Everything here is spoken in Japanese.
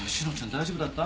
大丈夫だった？